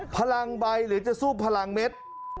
พลังใบหรือจะสู้พลังเม็ด